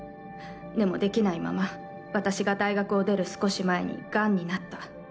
でもできないまま私が大学を出る少し前にがんになった。